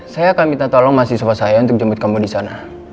saya akan minta tolong mahasiswa saya untuk jemput kamu di sana